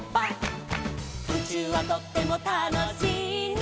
「うちゅうはとってもたのしいな」